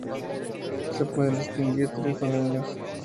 Se pueden distinguir tres dominios.